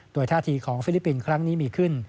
โดยท่าทีของฟิลิปปินส์ครั้งนี้มีขึ้น